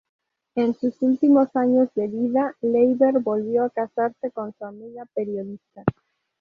En sus últimos años de vida, Leiber volvió a casarse con una amiga periodista.